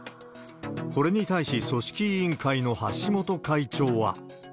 これに対し、組織委員会の橋本会長は。